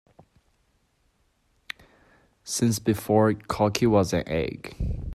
Since before cocky was an egg.